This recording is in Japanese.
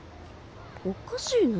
おかしいな。